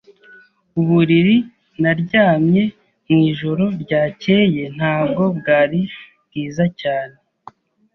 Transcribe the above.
Uburiri naryamye mwijoro ryakeye ntabwo bwari bwiza cyane.